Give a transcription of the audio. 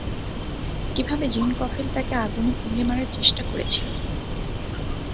কীভাবে জিন কফিল তাঁকে আগুনে পুড়িয়ে মারার চেষ্টা করেছিল।